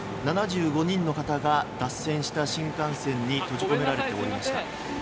７５人の方が脱線した新幹線に閉じ込められていました。